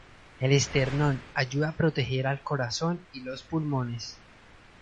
El esternón ayuda a proteger al corazón y los pulmones.